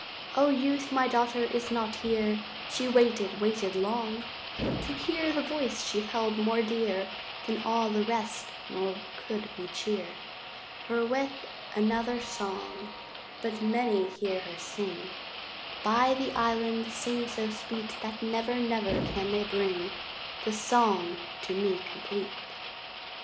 O Youth, my daughter is not here She waited, waited long To hear the voice she held more dear Than all the rest nor could we cheer Her with another song; But many hear her sing By the island, sing so sweet That never, never can they bring The song to me complete.